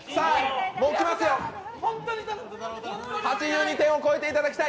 ８２点を超えていただきたい。